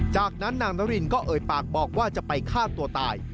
จากนั้นนางนารินก็เอ่ยปากบอกว่าจะไปฆ่าตัวตาย